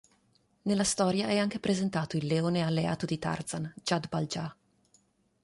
Nella storia è anche presentato il leone alleato di Tarzan "Jad-Bal-Ja".